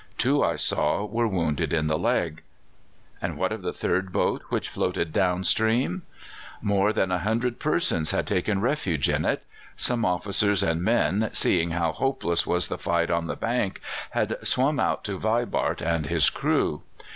Two I saw were wounded in the leg." And what of the third boat which floated down stream? More than 100 persons had taken refuge in it. Some officers and men, seeing how hopeless was the fight on the bank, had swum out to Vibart and his crew.